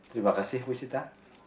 terima kasih bu sita